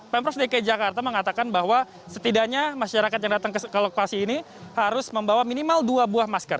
pemprov dki jakarta mengatakan bahwa setidaknya masyarakat yang datang ke lokasi ini harus membawa minimal dua buah masker